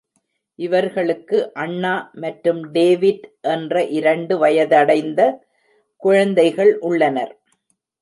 இவர்களுக்கு அண்ணா மற்றும் டேவிட் என்ற இரண்டு வயதடைந்த குழந்தைகள் உள்ளனர்.